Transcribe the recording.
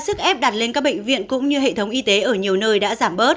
sức ép đặt lên các bệnh viện cũng như hệ thống y tế ở nhiều nơi đã giảm bớt